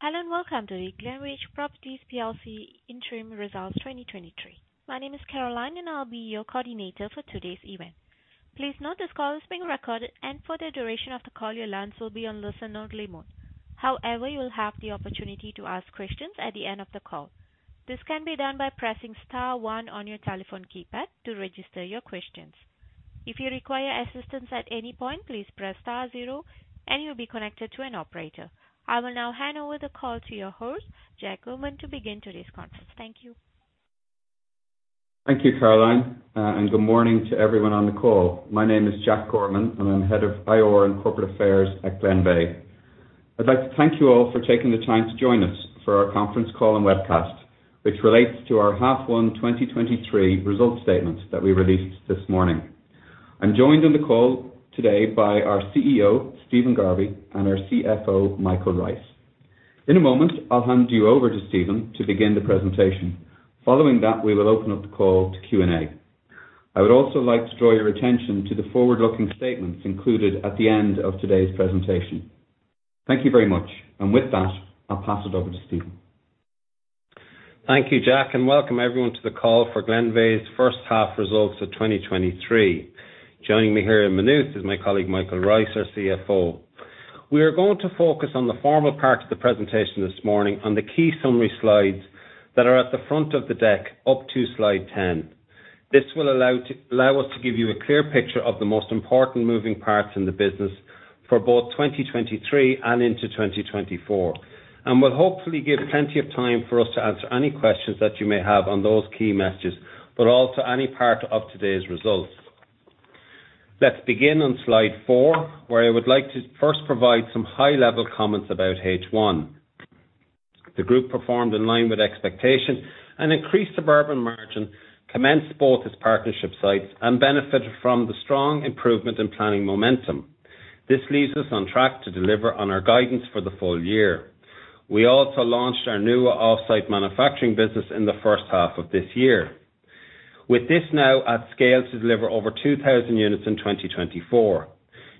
Hello, and welcome to Glenveagh Properties plc Interim Results 2023. My name is Caroline, and I'll be your coordinator for today's event. Please note this call is being recorded, and for the duration of the call, your lines will be on listen-only mode. However, you will have the opportunity to ask questions at the end of the call. This can be done by pressing star one on your telephone keypad to register your questions. If you require assistance at any point, please press star zero and you'll be connected to an operator. I will now hand over the call to your host, Jack Gorman, to begin today's conference. Thank you. Thank you, Caroline, and good morning to everyone on the call. My name is Jack Gorman, and I'm Head of IR and Corporate Affairs at Glenveagh. I'd like to thank you all for taking the time to join us for our conference call and webcast, which relates to our half one 2023 results statement that we released this morning. I'm joined on the call today by our CEO, Stephen Garvey, and our CFO, Michael Rice. In a moment, I'll hand you over to Stephen to begin the presentation. Following that, we will open up the call to Q&A. I would also like to draw your attention to the forward-looking statements included at the end of today's presentation. Thank you very much. And with that, I'll pass it over to Stephen. Thank you, Jack, and welcome everyone to the call for Glenveagh's first half results of 2023. Joining me here in Maynooth is my colleague, Michael Rice, our CFO. We are going to focus on the formal parts of the presentation this morning on the key summary slides that are at the front of the deck, up to slide 10. This will allow us to give you a clear picture of the most important moving parts in the business for both 2023 and into 2024, and will hopefully give plenty of time for us to answer any questions that you may have on those key messages, but also any part of today's results. Let's begin on slide 4, where I would like to first provide some high-level comments about H1. The group performed in line with expectation, and increased suburban margin, commenced both its partnership sites and benefited from the strong improvement in planning momentum. This leaves us on track to deliver on our guidance for the full year. We also launched our new off-site manufacturing business in the first half of this year. With this now at scale to deliver over 2,000 units in 2024,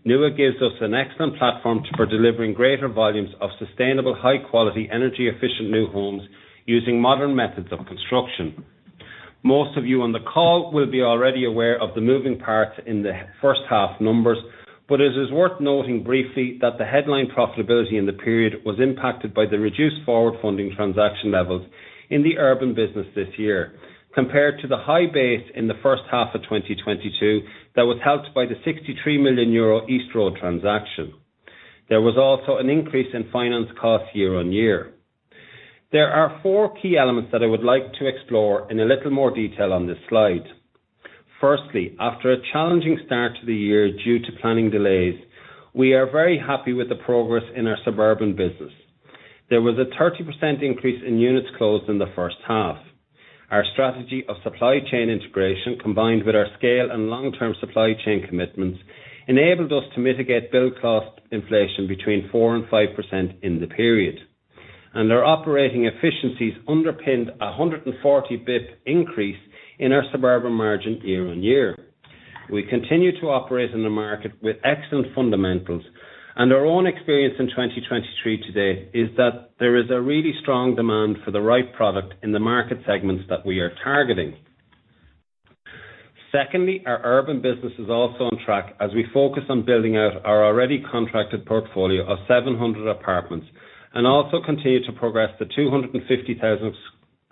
Nua gives us an excellent platform for delivering greater volumes of sustainable, high-quality, energy-efficient new homes using modern methods of construction. Most of you on the call will be already aware of the moving parts in the first half numbers, but it is worth noting briefly that the headline profitability in the period was impacted by the reduced forward funding transaction levels in the urban business this year, compared to the high base in the first half of 2022, that was helped by the 63 million euro East Road transaction. There was also an increase in finance costs year on year. There are four key elements that I would like to explore in a little more detail on this slide. Firstly, after a challenging start to the year due to planning delays, we are very happy with the progress in our suburban business. There was a 30% increase in units closed in the first half. Our strategy of supply chain integration, combined with our scale and long-term supply chain commitments, enabled us to mitigate build cost inflation between 4%-5% in the period. Our operating efficiencies underpinned a 140 basis points increase in our suburban margin year-on-year. We continue to operate in the market with excellent fundamentals, and our own experience in 2023 to date is that there is a really strong demand for the right product in the market segments that we are targeting. Secondly, our urban business is also on track as we focus on building out our already contracted portfolio of 700 apartments, and also continue to progress the 250,000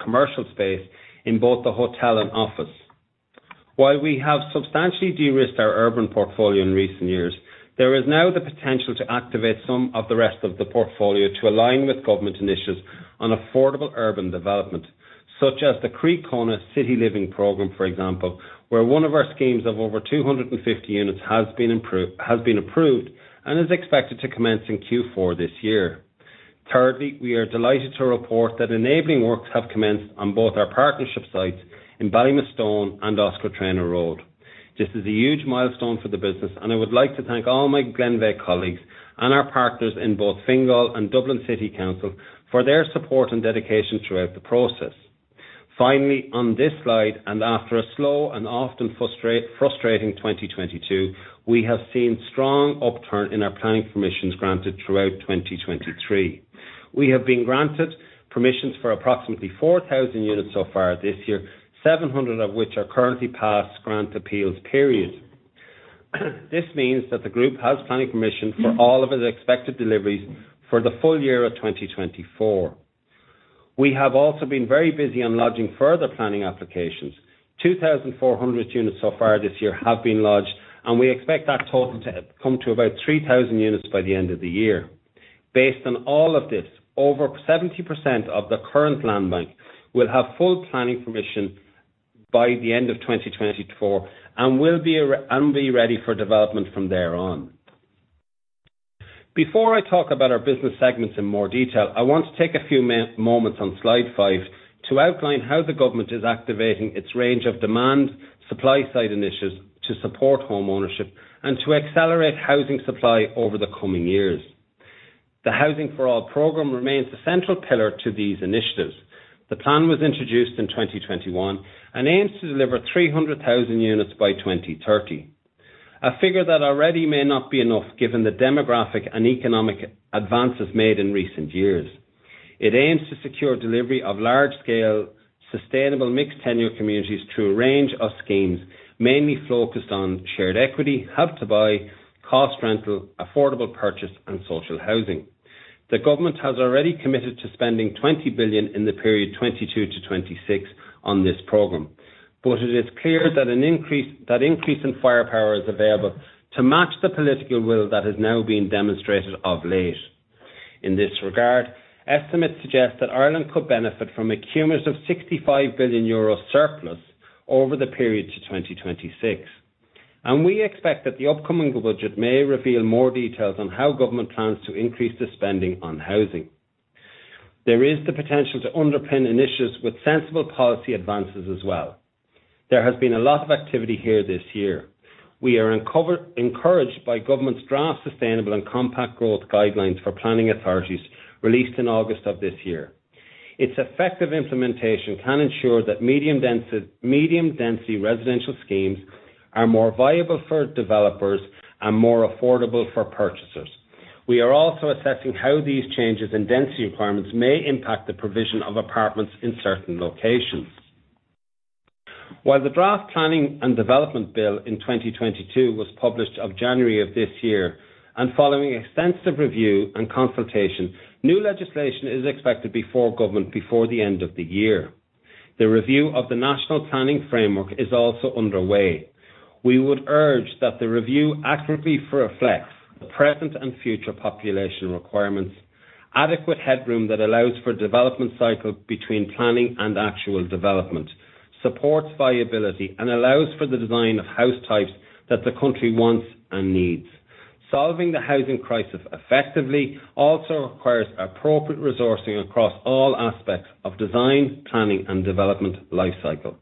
commercial space in both the hotel and office. While we have substantially de-risked our urban portfolio in recent years, there is now the potential to activate some of the rest of the portfolio to align with government initiatives on affordable urban development, such as the Croí Cónaithe Cities, for example, where one of our schemes of over 250 units has been approved, and is expected to commence in Q4 this year. Thirdly, we are delighted to report that enabling works have commenced on both our partnership sites in Ballymastone and Oscar Traynor Road. This is a huge milestone for the business, and I would like to thank all my Glenveagh colleagues and our partners in both Fingal and Dublin City Council for their support and dedication throughout the process. Finally, on this slide, and after a slow and often frustrating 2022, we have seen strong upturn in our planning permissions granted throughout 2023. We have been granted permissions for approximately 4,000 units so far this year, 700 of which are currently past grant appeals period. This means that the group has planning permission for all of its expected deliveries for the full year of 2024. We have also been very busy on lodging further planning applications. 2,400 units so far this year have been lodged, and we expect that total to come to about 3,000 units by the end of the year. Based on all of this, over 70% of the current land bank will have full planning permission by the end of 2024 and will be ready for development from there on. Before I talk about our business segments in more detail, I want to take a few moments on slide five to outline how the government is activating its range of demand, supply-side initiatives to support homeownership and to accelerate housing supply over the coming years. The Housing for All program remains a central pillar to these initiatives. The plan was introduced in 2021 and aims to deliver 300,000 units by 2030. A figure that already may not be enough, given the demographic and economic advances made in recent years. It aims to secure delivery of large-scale, sustainable, mixed-tenure communities through a range of schemes, mainly focused on shared equity, Help to Buy, cost rental, affordable purchase, and social housing. The government has already committed to spending 20 billion in the period 2022-2026 on this program, but it is clear that an increase, that increase in firepower is available to match the political will that has now been demonstrated of late. In this regard, estimates suggest that Ireland could benefit from a cumulative 65 billion euro surplus over the period to 2026, and we expect that the upcoming budget may reveal more details on how government plans to increase the spending on housing. There is the potential to underpin initiatives with sensible policy advances as well. There has been a lot of activity here this year. We are encouraged by government's draft sustainable and compact growth guidelines for planning authorities, released in August of this year. Its effective implementation can ensure that medium-density residential schemes are more viable for developers and more affordable for purchasers. We are also assessing how these changes in density requirements may impact the provision of apartments in certain locations. While the Draft Planning and Development Bill in 2022 was published in January of this year, and following extensive review and consultation, new legislation is expected before the government before the end of the year. The review of the National Planning Framework is also underway. We would urge that the review accurately reflects the present and future population requirements, adequate headroom that allows for development cycle between planning and actual development, supports viability, and allows for the design of house types that the country wants and needs. Solving the housing crisis effectively also requires appropriate resourcing across all aspects of design, planning, and development lifecycle.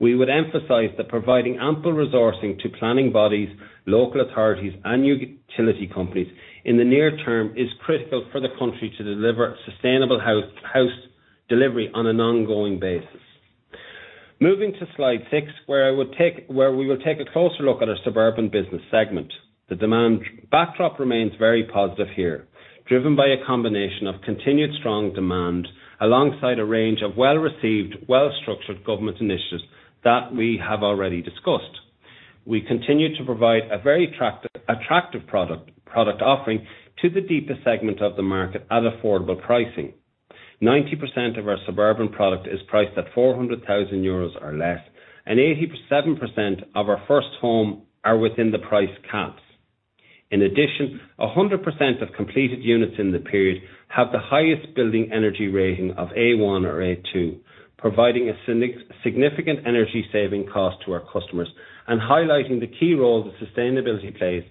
We would emphasize that providing ample resourcing to planning bodies, local authorities, and utility companies in the near term, is critical for the country to deliver sustainable house delivery on an ongoing basis. Moving to slide 6, where we will take a closer look at our suburban business segment. The demand backdrop remains very positive here, driven by a combination of continued strong demand, alongside a range of well-received, well-structured government initiatives that we have already discussed. We continue to provide a very attractive product offering to the deepest segment of the market at affordable pricing. 90% of our suburban product is priced at 400,000 euros or less, and 87% of our first home are within the price caps. In addition, 100% of completed units in the period have the highest building energy rating of A1 or A2, providing a significant energy saving cost to our customers and highlighting the key role that sustainability plays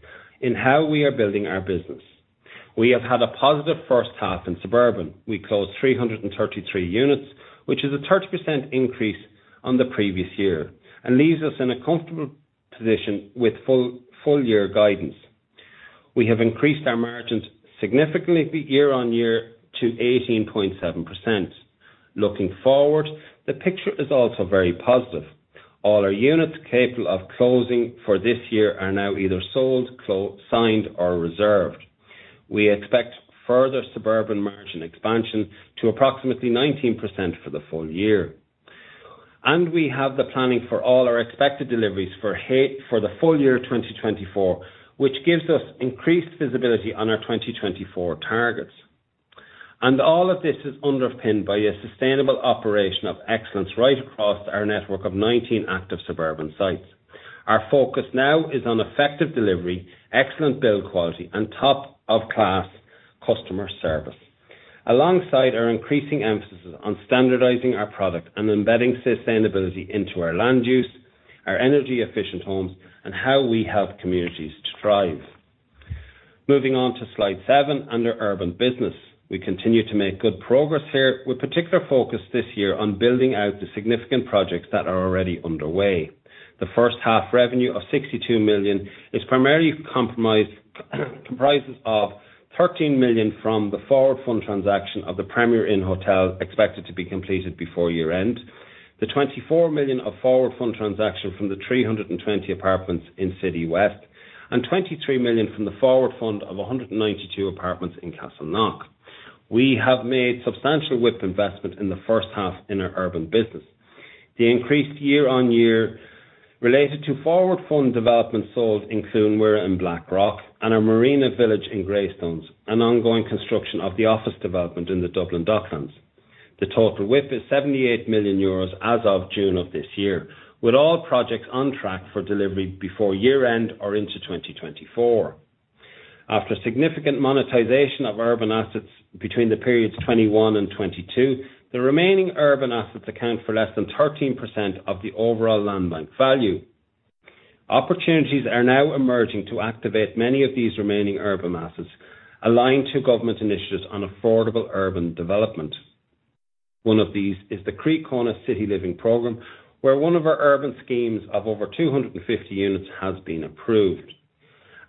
in how we are building our business. We have had a positive first half in suburban. We closed 333 units, which is a 30% increase on the previous year, and leaves us in a comfortable position with full year guidance. We have increased our margins significantly year-on-year to 18.7%. Looking forward, the picture is also very positive. All our units capable of closing for this year are now either sold, signed or reserved. We expect further suburban margin expansion to approximately 19% for the full year. We have the planning for all our expected deliveries for the full year 2024, which gives us increased visibility on our 2024 targets. All of this is underpinned by a sustainable operation of excellence right across our network of 19 active suburban sites. Our focus now is on effective delivery, excellent build quality, and top-of-class customer service. Alongside our increasing emphasis on standardizing our product and embedding sustainability into our land use, our energy efficient homes, and how we help communities to thrive. Moving on to slide 7, under urban business. We continue to make good progress here, with particular focus this year on building out the significant projects that are already underway. The first half revenue of 62 million is primarily comprises of 13 million from the forward fund transaction of the Premier Inn Hotel, expected to be completed before year-end. The 24 million of forward fund transaction from the 320 apartments in Citywest, and 23 million from the forward fund of 192 apartments in Castleknock. We have made substantial WIP investment in the first half in our urban business. The increased year on year, related to forward fund developments sold in Claymore and Blackrock, and our Marina Village in Greystones, an ongoing construction of the office development in the Dublin Docklands. The total WIP is 78 million euros as of June of this year, with all projects on track for delivery before year-end or into 2024. After significant monetization of urban assets between the periods 2021 and 2022, the remaining urban assets account for less than 13% of the overall land bank value. Opportunities are now emerging to activate many of these remaining urban assets, aligned to government initiatives on affordable urban development. One of these is the Croí Cónaithe City Living Program, where one of our urban schemes of over 250 units has been approved,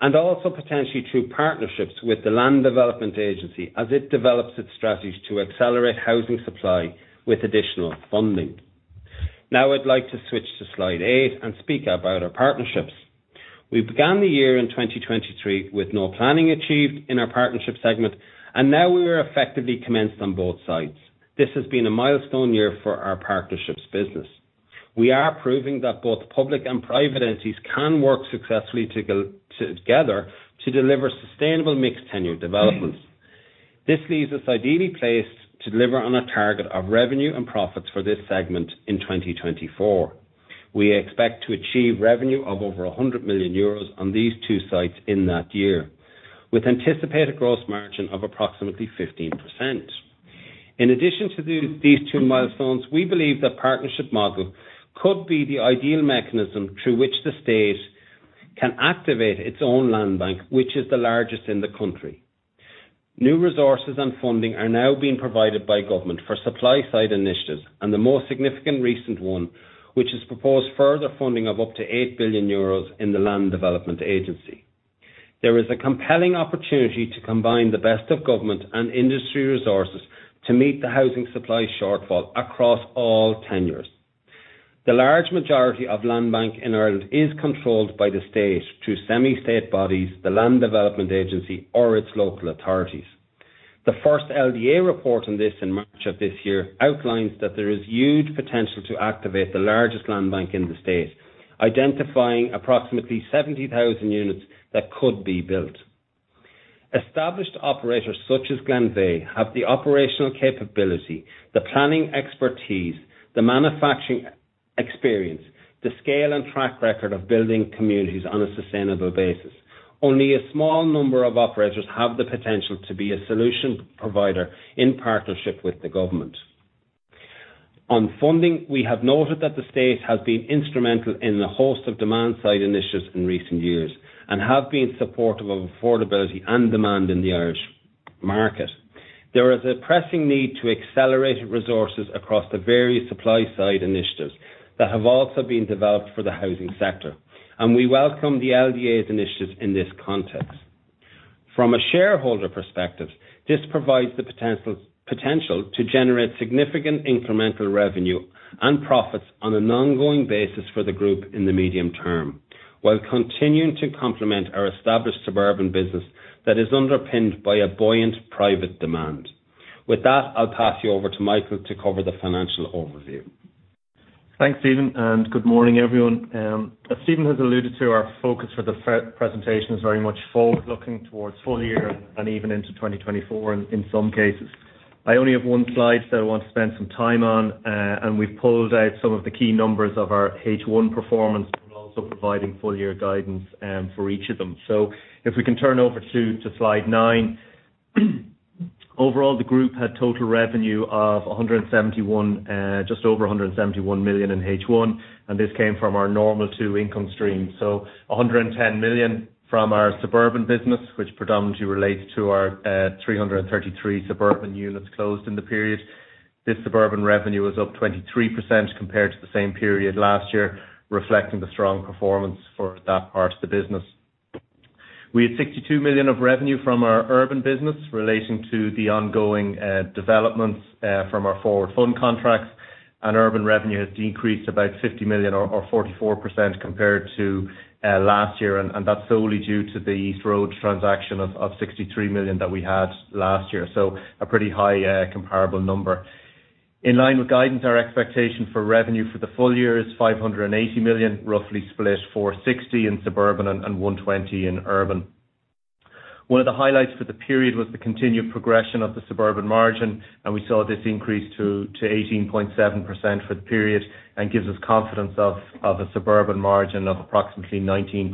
and also potentially through partnerships with the Land Development Agency as it develops its strategies to accelerate housing supply with additional funding. Now, I'd like to switch to slide 8 and speak about our partnerships. We began the year in 2023 with no planning achieved in our partnership segment, and now we are effectively commenced on both sides. This has been a milestone year for our partnerships business. We are proving that both public and private entities can work successfully together, to together to deliver sustainable mixed tenure developments. This leaves us ideally placed to deliver on a target of revenue and profits for this segment in 2024. We expect to achieve revenue of over 100 million euros on these two sites in that year, with anticipated gross margin of approximately 15%. In addition to these, these two milestones, we believe the partnership model could be the ideal mechanism through which the state can activate its own land bank, which is the largest in the country. New resources and funding are now being provided by government for supply side initiatives, and the most significant recent one, which has proposed further funding of up to 8 billion euros in the Land Development Agency. There is a compelling opportunity to combine the best of government and industry resources to meet the housing supply shortfall across all tenures. The large majority of land bank in Ireland is controlled by the state through semi-state bodies, the Land Development Agency, or its local authorities. The first LDA report on this in March of this year outlines that there is huge potential to activate the largest land bank in the state, identifying approximately 70,000 units that could be built. Established operators such as Glenveagh have the operational capability, the planning expertise, the manufacturing experience, the scale and track record of building communities on a sustainable basis. Only a small number of operators have the potential to be a solution provider in partnership with the government. On funding, we have noted that the state has been instrumental in a host of demand side initiatives in recent years, and have been supportive of affordability and demand in the Irish market. There is a pressing need to accelerate resources across the various supply side initiatives that have also been developed for the housing sector, and we welcome the LDA's initiatives in this context. From a shareholder perspective, this provides the potential to generate significant incremental revenue and profits on an ongoing basis for the group in the medium term, while continuing to complement our established suburban business that is underpinned by a buoyant private demand. With that, I'll pass you over to Michael to cover the financial overview. Thanks, Stephen, and good morning, everyone. As Stephen has alluded to, our focus for the pre-presentation is very much forward-looking towards full year and even into 2024 in some cases. I only have 1 slide that I want to spend some time on, and we've pulled out some of the key numbers of our H1 performance, but also providing full year guidance for each of them. So if we can turn over to slide 9. Overall, the group had total revenue of 171 million in H1, just over 171 million in H1, and this came from our normal two income streams. So 110 million from our suburban business, which predominantly relates to our 333 suburban units closed in the period. This suburban revenue was up 23% compared to the same period last year, reflecting the strong performance for that part of the business. We had 62 million of revenue from our urban business, relating to the ongoing developments from our forward fund contracts, and urban revenue has decreased about 50 million or 44% compared to last year, and that's solely due to the East Road transaction of 63 million that we had last year, so a pretty high comparable number. In line with guidance, our expectation for revenue for the full year is 580 million, roughly split 460 in suburban and 120 in urban. One of the highlights for the period was the continued progression of the suburban margin, and we saw this increase to 18.7% for the period, and gives us confidence of a suburban margin of approximately 19%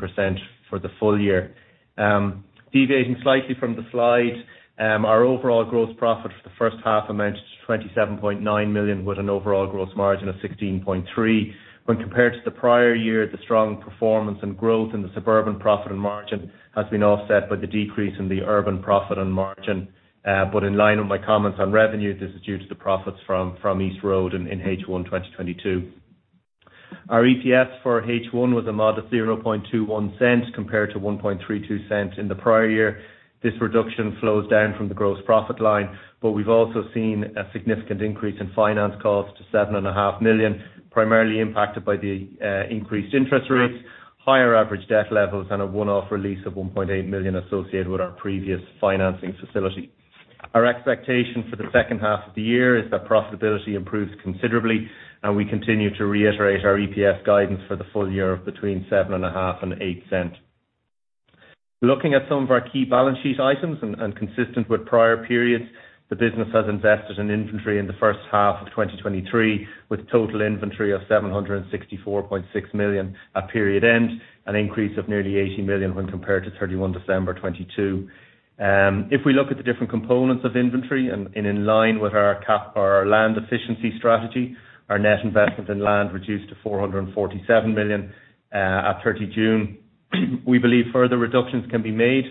for the full year. Deviating slightly from the slide, our overall gross profit for the first half amounted to 27.9 million, with an overall gross margin of 16.3%. When compared to the prior year, the strong performance and growth in the suburban profit and margin has been offset by the decrease in the urban profit and margin. But in line with my comments on revenue, this is due to the profits from East Road in H1 2022. Our EPS for H1 was a modest 0.21 cents, compared to 1.32 cents in the prior year. This reduction flows down from the gross profit line, but we've also seen a significant increase in finance costs to 7.5 million, primarily impacted by the increased interest rates, higher average debt levels, and a one-off release of 1.8 million associated with our previous financing facility. Our expectation for the second half of the year is that profitability improves considerably, and we continue to reiterate our EPS guidance for the full year of between 7.5 and 8 cents. Looking at some of our key balance sheet items, and, and consistent with prior periods, the business has invested in inventory in the first half of 2023, with total inventory of 764.6 million at period end, an increase of nearly 80 million when compared to 31 December 2022. If we look at the different components of inventory, and, and in line with our cap or our land efficiency strategy, our net investment in land reduced to 447 million at 30 June. We believe further reductions can be made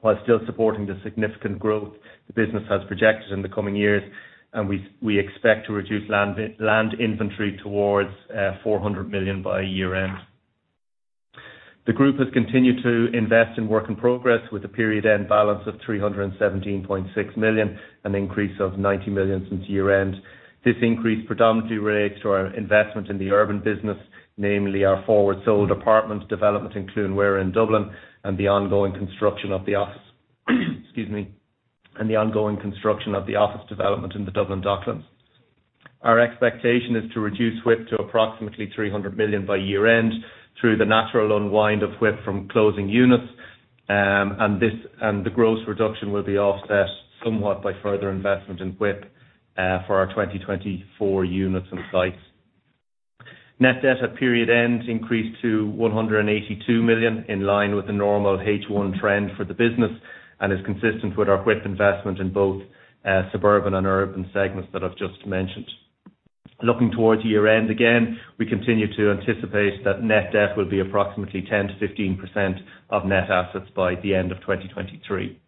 while still supporting the significant growth the business has projected in the coming years, and we, we expect to reduce land, land inventory towards 400 million by year-end. The group has continued to invest in work in progress, with a period-end balance of 317.6 million, an increase of 90 million since year-end. This increase predominantly relates to our investment in the urban business, namely our forward sold apartment development in Clonmore in Dublin, and the ongoing construction of the office, excuse me. And the ongoing construction of the office development in the Dublin Docklands. Our expectation is to reduce WIP to approximately 300 million by year-end, through the natural unwind of WIP from closing units. And the gross reduction will be offset somewhat by further investment in WIP for our 2024 units and sites. Net debt at period end increased to 182 million, in line with the normal H1 trend for the business, and is consistent with our WIP investment in both suburban and urban segments that I've just mentioned. Looking towards year-end, again, we continue to anticipate that net debt will be approximately 10%-15% of net assets by the end of 2023.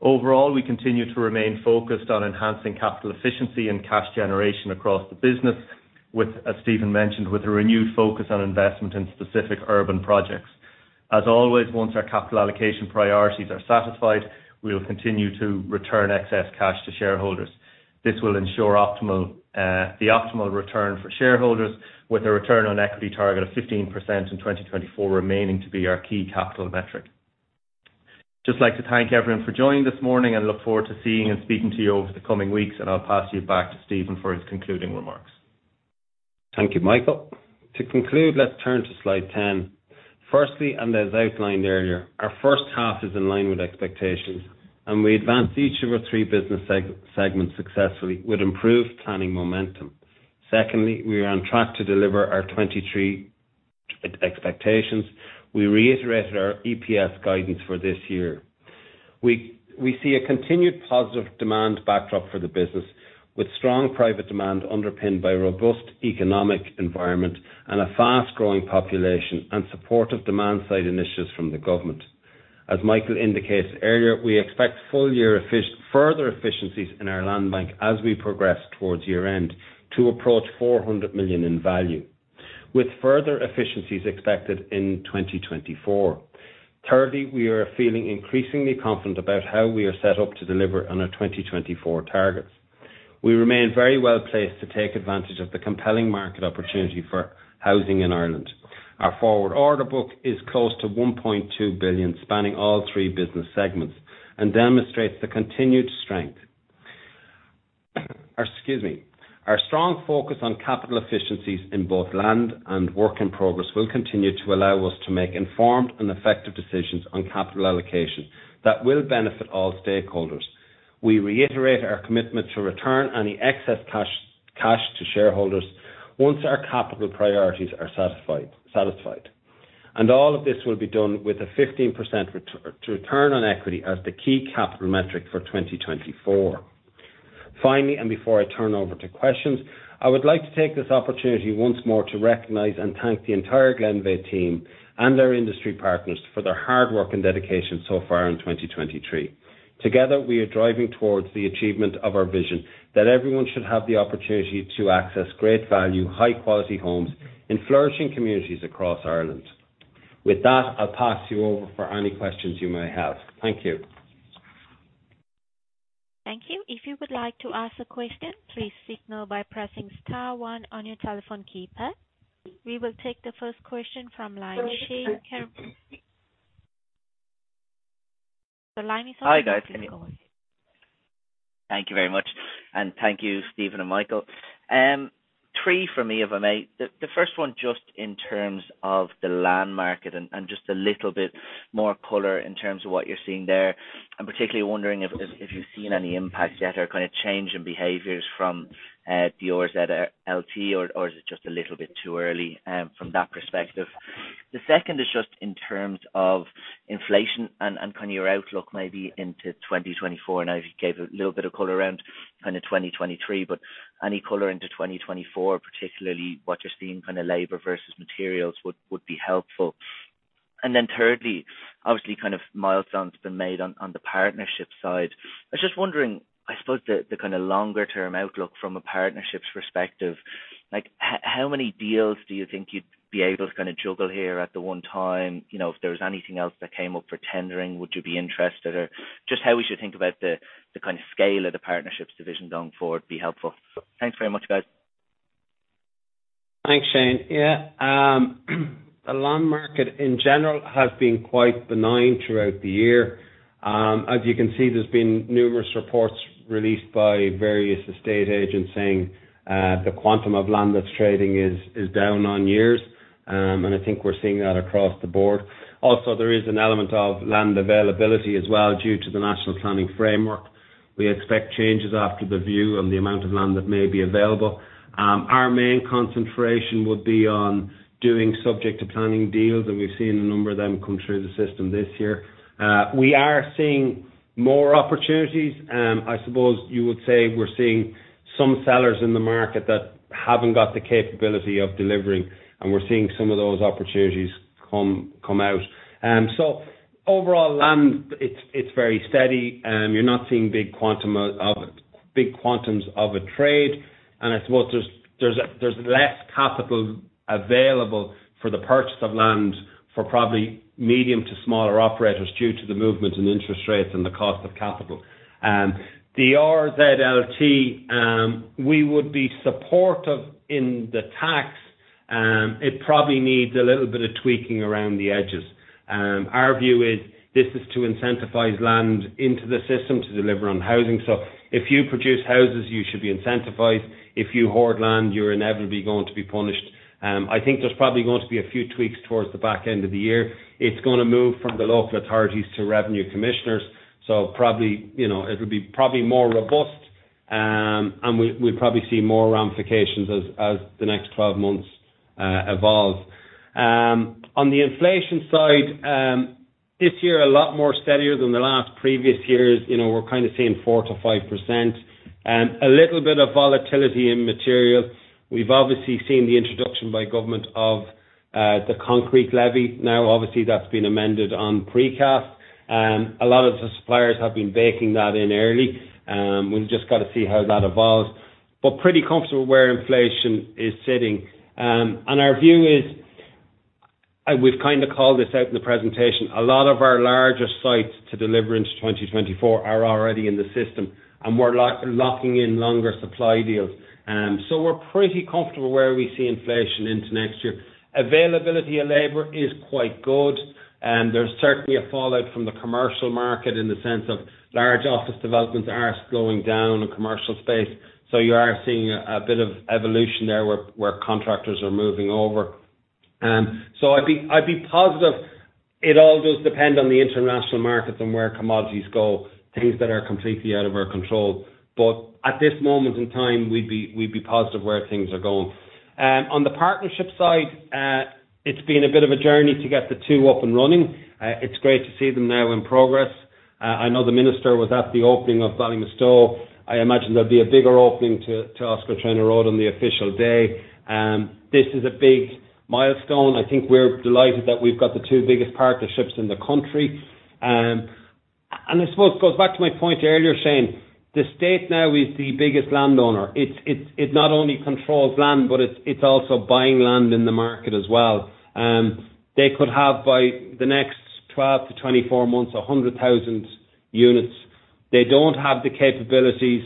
Overall, we continue to remain focused on enhancing capital efficiency and cash generation across the business with, as Stephen mentioned, with a renewed focus on investment in specific urban projects. As always, once our capital allocation priorities are satisfied, we will continue to return excess cash to shareholders. This will ensure optimal, the optimal return for shareholders, with a return on equity target of 15% in 2024 remaining to be our key capital metric. Just like to thank everyone for joining this morning, and look forward to seeing and speaking to you over the coming weeks, and I'll pass you back to Stephen for his concluding remarks. Thank you, Michael. To conclude, let's turn to slide 10. Firstly, and as outlined earlier, our first half is in line with expectations, and we advanced each of our three business segments successfully, with improved planning momentum. Secondly, we are on track to deliver our 2023 expectations. We reiterated our EPS guidance for this year. We see a continued positive demand backdrop for the business, with strong private demand underpinned by a robust economic environment and a fast-growing population, and supportive demand side initiatives from the government. As Michael indicated earlier, we expect full year further efficiencies in our land bank as we progress towards year-end, to approach 400 million in value, with further efficiencies expected in 2024. Thirdly, we are feeling increasingly confident about how we are set up to deliver on our 2024 targets. We remain very well placed to take advantage of the compelling market opportunity for housing in Ireland. Our forward order book is close to 1.2 billion, spanning all three business segments, and demonstrates the continued strength. Excuse me. Our strong focus on capital efficiencies in both land and work in progress will continue to allow us to make informed and effective decisions on capital allocation, that will benefit all stakeholders. We reiterate our commitment to return any excess cash to shareholders once our capital priorities are satisfied. And all of this will be done with a 15% return on equity as the key capital metric for 2024. Finally, and before I turn over to questions, I would like to take this opportunity once more to recognize and thank the entire Glenveagh team, and our industry partners, for their hard work and dedication so far in 2023. Together, we are driving towards the achievement of our vision, that everyone should have the opportunity to access great value, high quality homes in flourishing communities across Ireland. With that, I'll pass you over for any questions you may have. Thank you. Thank you. If you would like to ask a question, please signal by pressing star one on your telephone keypad. We will take the first question from line Shane- Hi, guys. The line is open. Thank you very much, and thank you, Stephen and Michael. Three for me, if I may. The first one just in terms of the land market and just a little bit more color in terms of what you're seeing there. I'm particularly wondering if you've seen any impact yet or kind of change in behaviors from the RZLT, or is it just a little bit too early from that perspective? The second is just in terms of inflation and kind of your outlook maybe into 2024. I know you gave a little bit of color around kind of 2023, but any color into 2024, particularly what you're seeing kind of labor versus materials, would be helpful. And then thirdly, obviously, kind of milestones been made on the partnership side. I was just wondering, I suppose, the kind of longer term outlook from a partnerships perspective, like, how many deals do you think you'd be able to kind of juggle here at the one time? You know, if there was anything else that came up for tendering, would you be interested? Or just how we should think about the kind of scale of the partnerships division going forward, would be helpful. Thanks very much, guys. Thanks, Shane. Yeah, the land market in general has been quite benign throughout the year. As you can see, there's been numerous reports released by various estate agents saying the quantum of land that's trading is down on years. And I think we're seeing that across the board. Also, there is an element of land availability as well, due to the National Planning Framework. We expect changes after the view on the amount of land that may be available. Our main concentration would be on doing subject to planning deals, and we've seen a number of them come through the system this year. We are seeing more opportunities. I suppose you would say we're seeing some sellers in the market that haven't got the capability of delivering, and we're seeing some of those opportunities come out. So overall, land, it's very steady. You're not seeing big quantums of a trade, and I suppose there's less capital available for the purchase of land for probably medium to smaller operators due to the movement in interest rates and the cost of capital. The RZLT, we would be supportive in the tax. It probably needs a little bit of tweaking around the edges. Our view is this is to incentivize land into the system to deliver on housing. So if you produce houses, you should be incentivized. If you hoard land, you're inevitably going to be punished. I think there's probably going to be a few tweaks towards the back end of the year. It's gonna move from the local authorities to Revenue Commissioners, so probably, you know, it'll be probably more robust. And we'll probably see more ramifications as the next 12 months evolve. On the inflation side, this year a lot more steadier than the last previous years. You know, we're kind of seeing 4%-5%, a little bit of volatility in material. We've obviously seen the introduction by government of the concrete levy. Now, obviously, that's been amended on precast. A lot of the suppliers have been baking that in early. We've just got to see how that evolves, but pretty comfortable where inflation is sitting. And our view is, and we've kind of called this out in the presentation, a lot of our larger sites to deliver into 2024 are already in the system, and we're locking in longer supply deals. So we're pretty comfortable where we see inflation into next year. Availability of labor is quite good, and there's certainly a fallout from the commercial market in the sense of large office developments are slowing down in commercial space, so you are seeing a bit of evolution there, where contractors are moving over. So I'd be positive. It all does depend on the international markets and where commodities go, things that are completely out of our control. But at this moment in time, we'd be positive where things are going. On the partnership side, it's been a bit of a journey to get the two up and running. It's great to see them now in progress. I know the minister was at the opening of Ballymastone. I imagine there'll be a bigger opening to Oscar Traynor Road on the official day. This is a big milestone. I think we're delighted that we've got the two biggest partnerships in the country. And I suppose it goes back to my point earlier, saying the state now is the biggest landowner. It not only controls land, but it's also buying land in the market as well. They could have, by the next 12-24 months, 100,000 units. They don't have the capabilities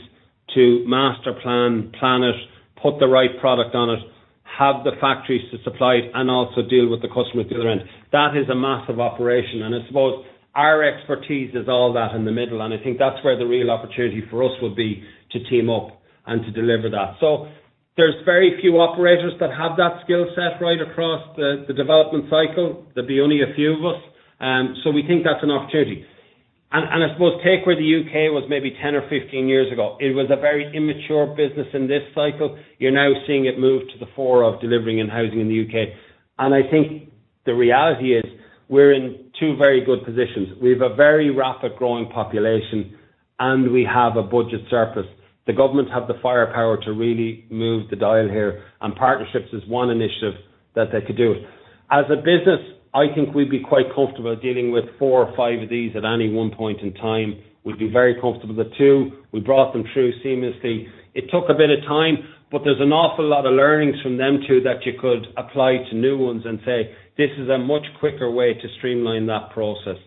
to master plan it, put the right product on it, have the factories to supply it, and also deal with the customer at the other end. That is a massive operation, and I suppose our expertise is all that in the middle, and I think that's where the real opportunity for us would be to team up and to deliver that. So there's very few operators that have that skill set right across the development cycle. There'd be only a few of us. So we think that's an opportunity. And I suppose take where the UK was maybe 10 or 15 years ago. It was a very immature business in this cycle. You're now seeing it move to the fore of delivering and housing in the UK. And I think the reality is, we're in two very good positions. We have a very rapid growing population, and we have a budget surplus. The government have the firepower to really move the dial here, and partnerships is one initiative that they could do. As a business, I think we'd be quite comfortable dealing with four or five of these at any one point in time. We'd be very comfortable with the two. We brought them through seamlessly. It took a bit of time, but there's an awful lot of learnings from them, too, that you could apply to new ones and say, "This is a much quicker way to streamline that process."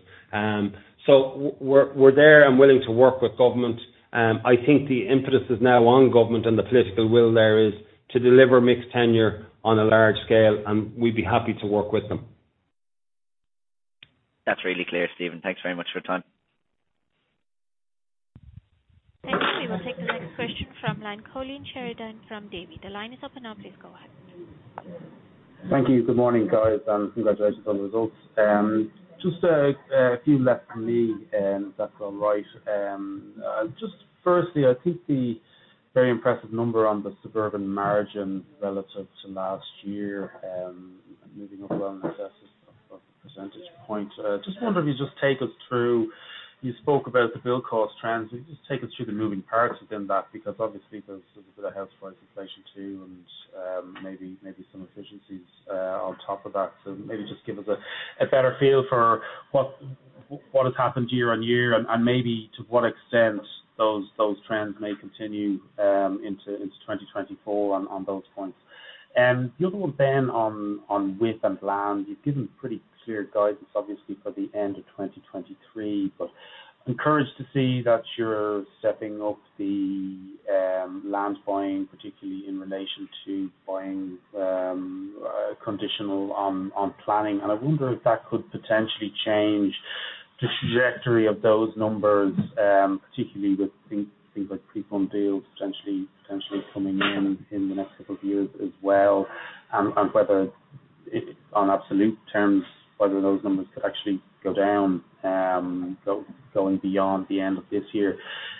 So we're there and willing to work with government. I think the impetus is now on government, and the political will there is to deliver mixed tenure on a large scale, and we'd be happy to work with them. That's really clear, Stephen. Thanks very much for your time. Thank you. We will take the next question from line, Colin Sheridan from Davy. The line is open now. Please go ahead. Thank you. Good morning, guys, and congratulations on the results. Just a few left for me, if that's all right. Just firstly, I think the very impressive number on the suburban margin relative to last year, moving up well in excess of a percentage point. Just wonder if you'd just take us through. You spoke about the build cost trends. Just take us through the moving parts within that, because obviously there's a bit of house price inflation, too, and, maybe, maybe some efficiencies, on top of that. So maybe just give us a, a better feel for what, what has happened year on year and, and maybe to what extent those, those trends may continue, into, into 2024 on, on those points. The other one, then, on, on WIP and land. You've given pretty clear guidance, obviously, for the end of 2023, but encouraged to see that you're setting up the land buying, particularly in relation to buying conditional on planning. And I wonder if that could potentially change the trajectory of those numbers, particularly with things like pre-owned deals potentially coming in in the next couple of years as well. And whether it on absolute terms, whether those numbers could actually go down going beyond the end of this year.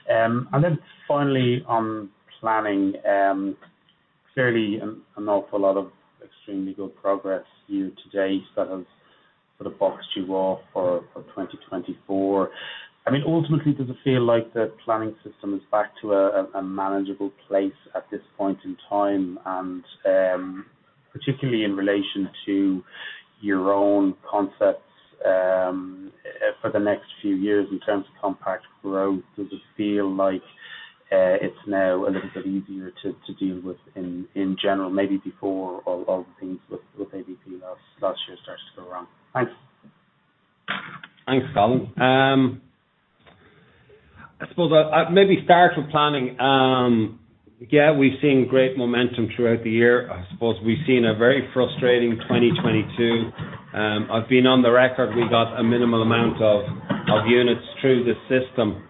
And then finally on planning. Clearly, an awful lot of extremely good progress you today that has sort of boxed you off for 2024. I mean, ultimately, does it feel like the planning system is back to a manageable place at this point in time? Particularly in relation to your own concepts, for the next few years, in terms of compact growth, does it feel like it's now a little bit easier to deal with in general, maybe before all the things with ABP last year starts to go wrong? Thanks. Thanks, Colm. I suppose I maybe start with planning. Yeah, we've seen great momentum throughout the year. I suppose we've seen a very frustrating 2022. I've been on the record, we got a minimal amount of units through the system.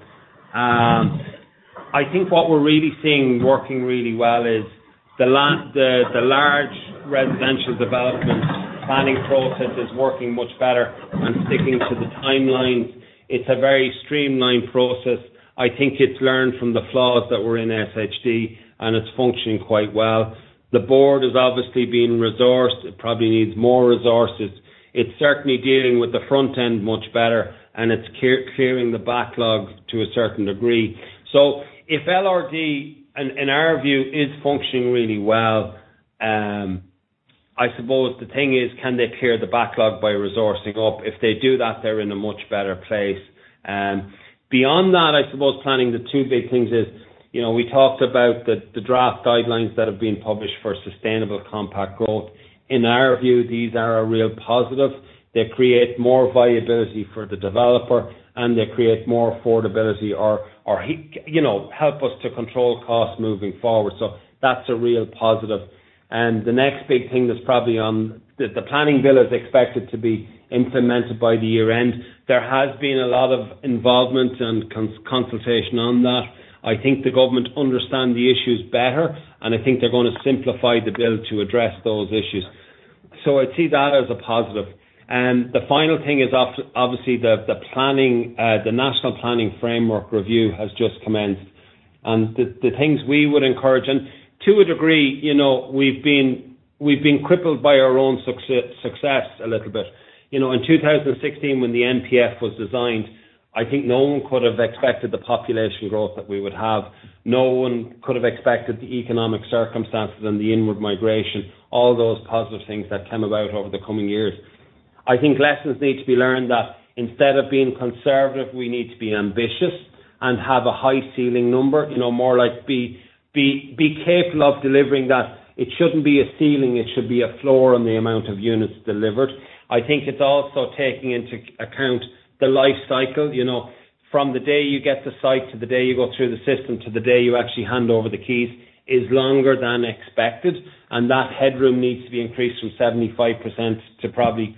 I think what we're really seeing working really well is the large residential development planning process is working much better and sticking to the timelines. It's a very streamlined process. I think it's learned from the flaws that were in SHD, and it's functioning quite well. The board has obviously been resourced. It probably needs more resources. It's certainly dealing with the front end much better, and it's clearing the backlog to a certain degree. So if LRD, in our view, is functioning really well, I suppose the thing is, can they clear the backlog by resourcing up? If they do that, they're in a much better place. Beyond that, I suppose planning, the two big things is, you know, we talked about the draft guidelines that have been published for sustainable compact growth. In our view, these are a real positive. They create more viability for the developer, and they create more affordability or you know, help us to control costs moving forward. So that's a real positive. And the next big thing that's probably on the planning bill is expected to be implemented by the year end. There has been a lot of involvement and consultation on that. I think the government understand the issues better, and I think they're gonna simplify the bill to address those issues. So I see that as a positive. And the final thing is obviously, the planning, the National Planning Framework review has just commenced, and the things we would encourage... And to a degree, you know, we've been crippled by our own success a little bit. You know, in 2016, when the NPF was designed, I think no one could have expected the population growth that we would have. No one could have expected the economic circumstances and the inward migration, all those positive things that came about over the coming years. I think lessons need to be learned that instead of being conservative, we need to be ambitious and have a high ceiling number. You know, more like be capable of delivering that. It shouldn't be a ceiling, it should be a floor on the amount of units delivered. I think it's also taking into account the life cycle, you know, from the day you get the site, to the day you go through the system, to the day you actually hand over the keys, is longer than expected, and that headroom needs to be increased from 75% to probably,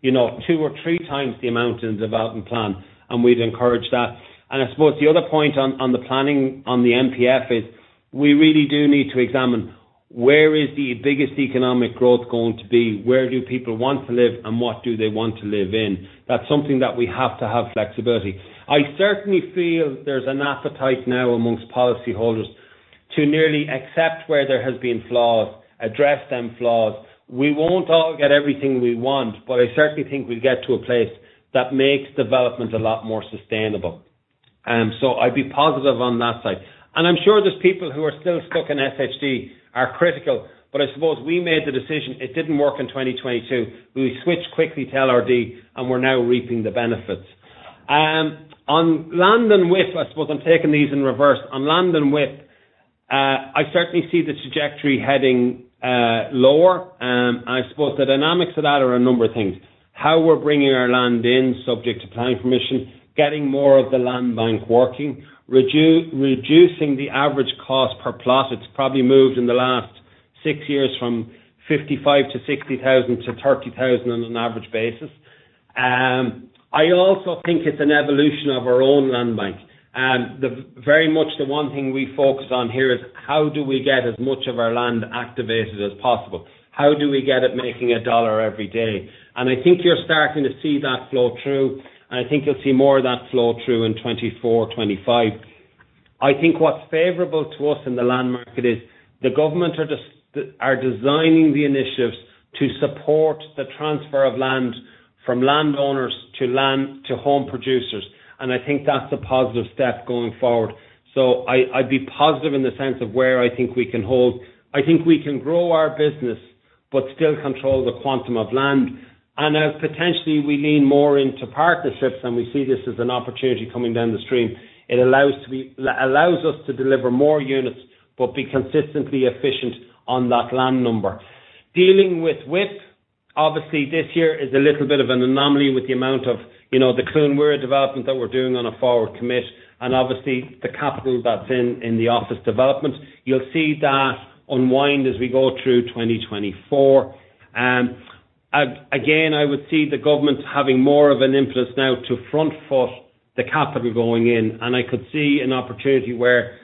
you know, two or three times the amount in development plan, and we'd encourage that. I suppose the other point on the planning, on the NPF is, we really do need to examine where is the biggest economic growth going to be? Where do people want to live, and what do they want to live in? That's something that we have to have flexibility. I certainly feel there's an appetite now amongst policyholders to nearly accept where there has been flaws, address them flaws. We won't all get everything we want, but I certainly think we'll get to a place that makes development a lot more sustainable. So I'd be positive on that side. And I'm sure there's people who are still stuck in SHD are critical, but I suppose we made the decision. It didn't work in 2022. We switched quickly to LRD, and we're now reaping the benefits. On land and WIP, I suppose I'm taking these in reverse. On land and WIP, I certainly see the trajectory heading lower, and I suppose the dynamics of that are a number of things. How we're bringing our land in, subject to planning permission, getting more of the land bank working, reducing the average cost per plot. It's probably moved in the last six years from 55,000-60,000 to 30,000 on an average basis. I also think it's an evolution of our own land bank, and very much the one thing we focus on here is how do we get as much of our land activated as possible? How do we get it making a dollar every day? And I think you're starting to see that flow through, and I think you'll see more of that flow through in 2024, 2025. I think what's favorable to us in the land market is the government are designing the initiatives to support the transfer of land from landowners to home producers, and I think that's a positive step going forward. So I'd be positive in the sense of where I think we can hold. I think we can grow our business but still control the quantum of land. And as potentially we lean more into partnerships, and we see this as an opportunity coming down the stream, it allows us to deliver more units but be consistently efficient on that land number. Dealing with WIP, obviously, this year is a little bit of an anomaly with the amount of, you know, the Clonmore development that we're doing on a forward commit, and obviously, the capital that's in the office development. You'll see that unwind as we go through 2024. Again, I would see the government having more of an impetus now to front-foot the capital going in, and I could see an opportunity where,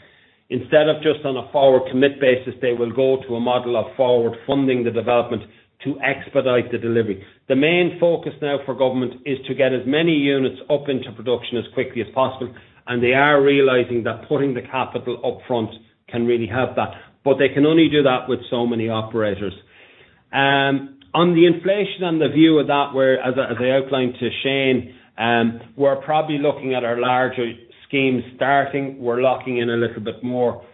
instead of just on a forward commit basis, they will go to a model of forward-funding the development to expedite the delivery. The main focus now for government is to get as many units up into production as quickly as possible, and they are realizing that putting the capital upfront can really help that, but they can only do that with so many operators. On the inflation and the view of that, whereas I, as I outlined to Shane, we're probably looking at our larger schemes starting, we're locking in a little bit more.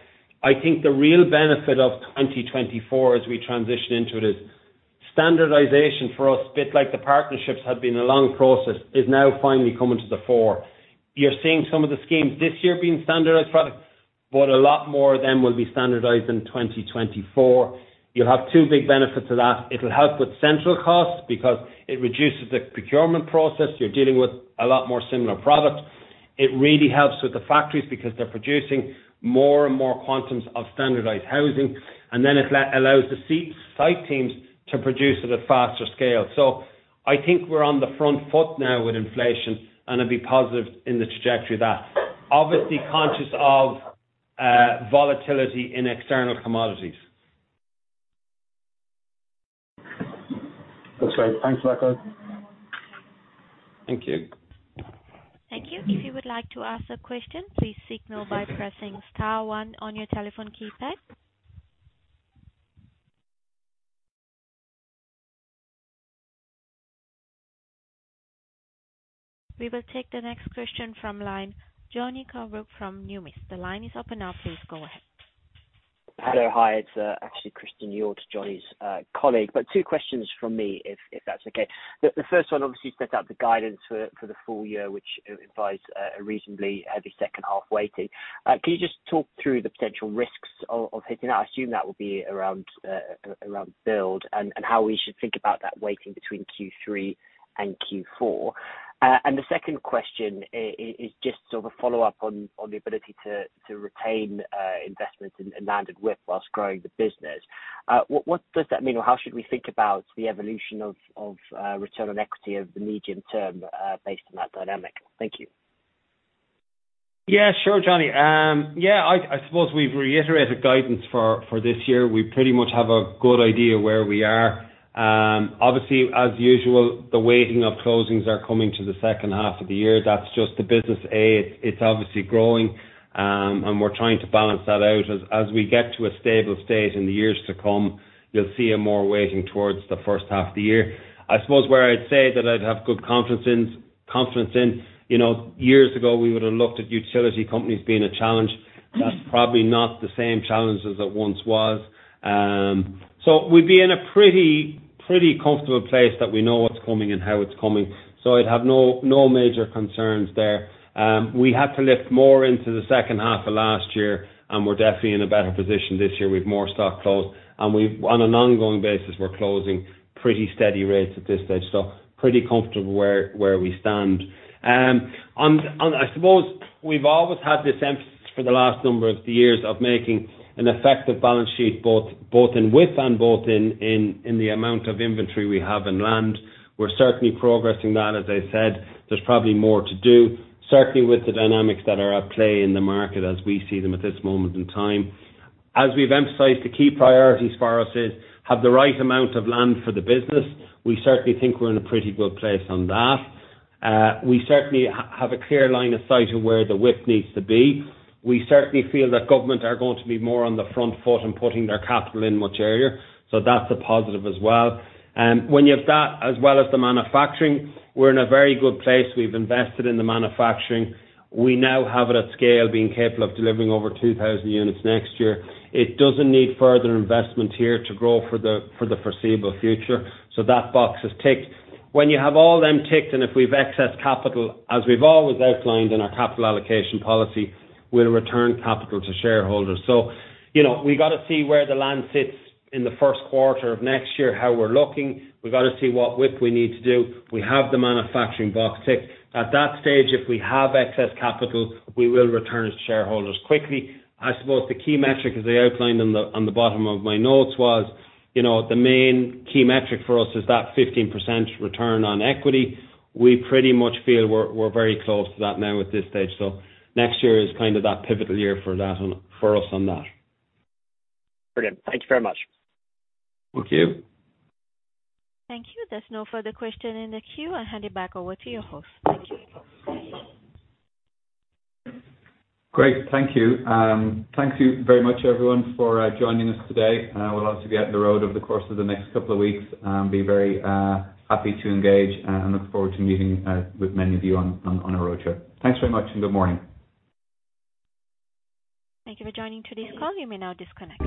I think the real benefit of 2024 as we transition into it is standardization for us, bit like the partnerships have been a long process, is now finally coming to the fore. You're seeing some of the schemes this year being standardized products, but a lot more of them will be standardized in 2024. You'll have two big benefits of that. It'll help with central costs because it reduces the procurement process. You're dealing with a lot more similar products. It really helps with the factories because they're producing more and more quantums of standardized housing, and then it allows the site teams to produce at a faster scale. So I think we're on the front foot now with inflation, and it'll be positive in the trajectory of that. Obviously, conscious of volatility in external commodities. That's great. Thanks, Michael. Thank you. Thank you. If you would like to ask a question, please signal by pressing star one on your telephone keypad. We will take the next question from line, Jonny Coubrough from Numis. The line is open now, please go ahead. Hello. Hi, it's actually Christian York, Jonny's colleague, but two questions from me, if that's okay. The first one obviously sets out the guidance for the full year, which implies a reasonably heavy second half weighting. Can you just talk through the potential risks of hitting that? I assume that will be around build, and how we should think about that weighting between Q3 and Q4. And the second question is just sort of a follow up on the ability to retain investments in land and WIP while growing the business. What does that mean, or how should we think about the evolution of return on equity over the medium term based on that dynamic? Thank you. Yeah, sure, Johnny. Yeah, I suppose we've reiterated guidance for this year. We pretty much have a good idea where we are. Obviously, as usual, the weighting of closings are coming to the second half of the year. That's just the business, it's obviously growing, and we're trying to balance that out. As we get to a stable state in the years to come, you'll see a more weighting towards the first half of the year. I suppose where I'd say that I'd have good confidence in, you know, years ago, we would have looked at utility companies being a challenge. That's probably not the same challenge as it once was. So we'd be in a pretty comfortable place that we know what's coming and how it's coming. So I'd have no major concerns there. We had to lift more into the second half of last year, and we're definitely in a better position this year with more stock closed. And we've, on an ongoing basis, we're closing pretty steady rates at this stage, so pretty comfortable where we stand. I suppose we've always had this emphasis for the last number of years of making an effective balance sheet, both in WIP and in the amount of inventory we have in land. We're certainly progressing that, as I said. There's probably more to do, certainly with the dynamics that are at play in the market as we see them at this moment in time. As we've emphasized, the key priorities for us is, have the right amount of land for the business. We certainly think we're in a pretty good place on that. We certainly have a clear line of sight of where the WIP needs to be. We certainly feel that government are going to be more on the front foot and putting their capital in much earlier, so that's a positive as well. When you have that, as well as the manufacturing, we're in a very good place. We've invested in the manufacturing. We now have it at scale, being capable of delivering over 2,000 units next year. It doesn't need further investment here to grow for the foreseeable future, so that box is ticked. When you have all them ticked, and if we've excess capital, as we've always outlined in our capital allocation policy, we'll return capital to shareholders. So, you know, we've got to see where the land sits in the first quarter of next year, how we're looking. We've got to see what width we need to do. We have the manufacturing box ticked. At that stage, if we have excess capital, we will return it to shareholders quickly. I suppose the key metric, as I outlined on the bottom of my notes, was, you know, the main key metric for us is that 15% Return on Equity. We pretty much feel we're very close to that now at this stage. So next year is kind of that pivotal year for that on- for us on that. Brilliant. Thank you very much. Thank you. Thank you. There's no further question in the queue. I'll hand it back over to you, host. Thank you. Great. Thank you. Thank you very much, everyone, for joining us today. We'll obviously be out on the road over the course of the next couple of weeks, be very happy to engage, and look forward to meeting with many of you on our roadshow. Thanks very much, and good morning. Thank you for joining to this call. You may now disconnect.